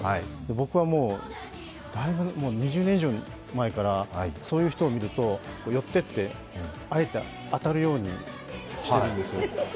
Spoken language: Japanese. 僕は２０年以上前からそういう人を見ると、寄っていってあえて当たるようにしてるんです。